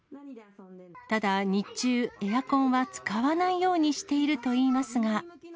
ただ、日中、エアコンは使わないようにしているといいますが。